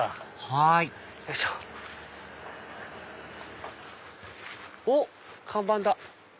はいおっ看板だ。